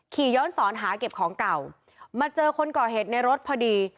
ขี่ย้อนสอนหาเก็บของเก่ามาเจอคนก่อเหตุในรถพอดี